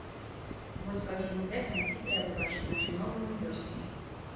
Вось ва ўсім гэтым і трэба бачыць нашу новую вёску.